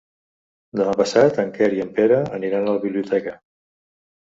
Demà passat en Quer i en Pere aniran a la biblioteca.